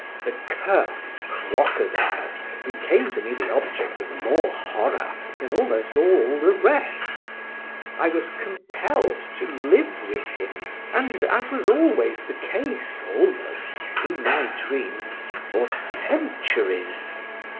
The cursed crocodile became to me the object of more horror than almost all the rest. I was compelled to live with him, and (as was always the case almost in my dreams) for centuries.